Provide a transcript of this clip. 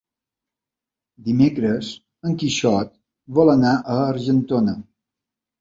Dimecres en Quixot vol anar a Argentona.